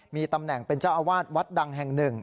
มีตำแหน่งเป็นเจ้าอาวาสวัดดังแห่งหนึ่ง